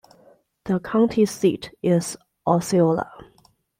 The county seat is Osceola.